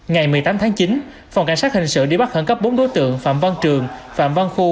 ngày một mươi tám tháng chín phòng cảnh sát hình sự đi bắt khẩn cấp bốn đối tượng phạm văn trường phạm văn khu